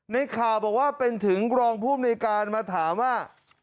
ในข่าวบอกว่าเป็นถึงรองภูมิในการมาถามว่า